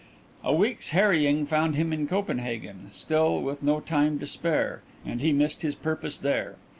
A week's harrying found him in Copenhagen, still with no time to spare, and he missed his purpose there.